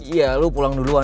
iya lo pulang dulu lah